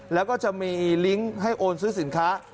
แล้วก็จะมีลิงก์ให้โอนซื้อสินค้า